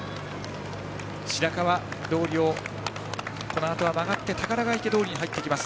白川通をこのあと曲がって宝ヶ池通に入っていきます。